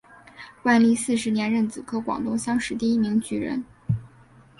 万历四十年壬子科广东乡试第一名举人。